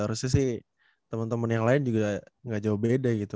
harusnya sih temen temen yang lain juga gak jauh beda gitu